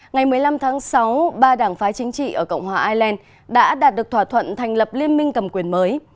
ngày một mươi năm tháng sáu ba đảng phái chính trị ở cộng hòa ireland đã đạt được thỏa thuận thành lập liên minh cầm quyền mới